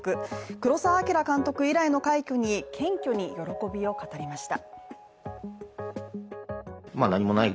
黒澤明監督以来の快挙に謙虚に喜びを語りました。